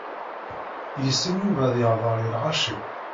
Yessen Yuba ad yehder i lɣaci.